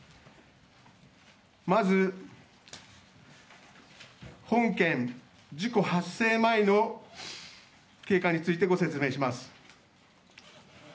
まず本件、事故発生前の経過についてご説明します。